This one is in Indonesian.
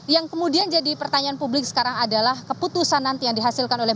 yang kemudian jadi pertanyaan publik sekarang adalah keputusan nanti yang dihasilkan oleh